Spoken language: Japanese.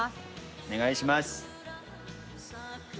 お願いします。